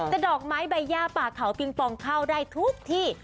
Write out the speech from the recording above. ดอกไม้ใบย่าป่าเขาปิงปองเข้าได้ทุกที่